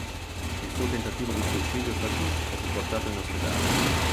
Il suo tentativo di suicidio fallì e fu portato in ospedale.